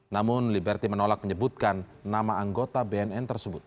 namun liberty menolak menyebutkan nama anggota bnn tersebut